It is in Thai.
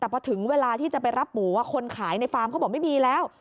แต่พอถึงเวลาที่จะไปรับหมูคนขายในฟาร์มเขาบอกไม่มีแล้ว